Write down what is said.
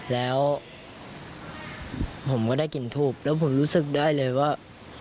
แล้วผมก็ได้กลิ่นทูบแล้วผมรู้สึกได้เลยว่า